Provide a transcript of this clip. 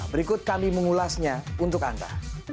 berikut kami mengulasnya untuk anda